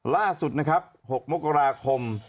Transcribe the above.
ล่าสุดนะครับ๖มกราคม